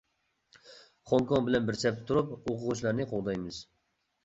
خوڭكوڭ بىلەن بىر سەپتە تۇرۇپ ئوقۇغۇچىلارنى قوغدايمىز.